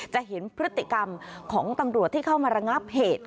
จะเห็นพฤติกรรมของตำรวจที่เข้ามาระงับเหตุ